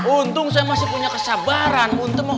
untung saya masih punya kesabaran